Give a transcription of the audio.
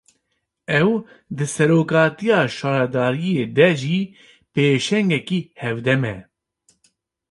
Ew, di serokatiya şaredariyê de jî pêşengekî hevdem e